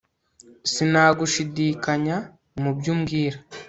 sinagushidikanya mubyo umbwira